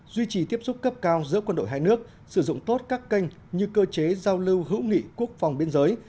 duy trì tiếp xúc cấp cao giữa quân đội hai nước sử dụng tốt các kênh như cơ chế giao lưu hữu nghị quốc phòng biên giới